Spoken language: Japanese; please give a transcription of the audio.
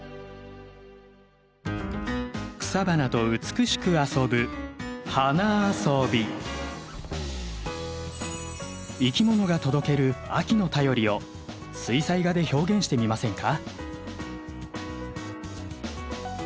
草花と美しく遊ぶいきものが届ける秋の便りを水彩画で表現してみませんか？